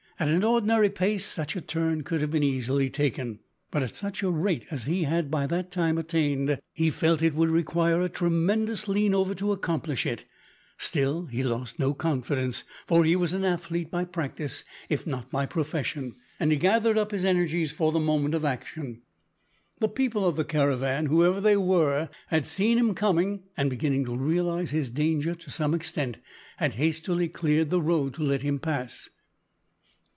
At an ordinary pace such a turn could have been easily taken, but at such a rate as he had by that time attained, he felt it would require a tremendous lean over to accomplish it. Still he lost no confidence, for he was an athlete by practice if not by profession, and he gathered up his energies for the moment of action. The people of the caravan whoever they were had seen him coming, and, beginning to realise his danger to some extent, had hastily cleared the road to let him pass.